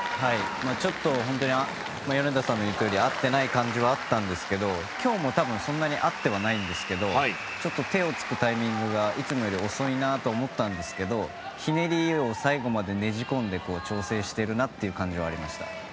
ちょっと米田さんの言うとおり合っていない感じはあったんですが今日も多分、そんなに合ってはないんですけどちょっと手をつくタイミングがいつもより遅いなと思ったんですがひねりを最後までねじ込んで調整しているなという感じはありました。